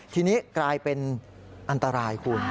ทีนี้กลายเป็นอันตรายคุณ